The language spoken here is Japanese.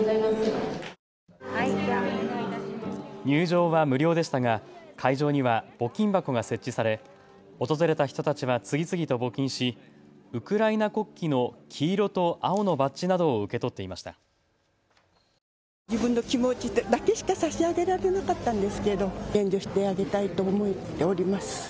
入場は無料でしたが会場には募金箱が設置され訪れた人たちは次々と募金しウクライナ国旗の黄色と青のバッジなどを受け取っていました。